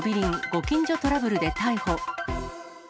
ご近所トラブルで逮捕。